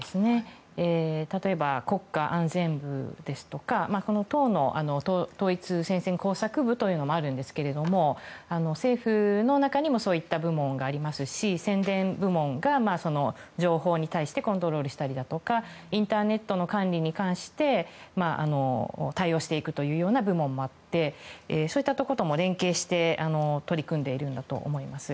例えば国家安全部ですとか党の統一戦線工作部もありますが政府の中にもそういった部門がありますし宣伝部門が情報に対してコントロールしたりだとかインターネットの管理に関して対応していくというような部門もあってそういったところとも連携して取り組んでいるんだと思います。